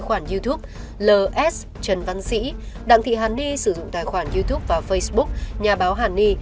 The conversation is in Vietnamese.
còn bà đặng thị hàn ni sử dụng tài khoản youtube và facebook nhà báo hàn ni